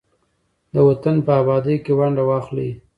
د وطن په ابادۍ کې ونډه واخلئ.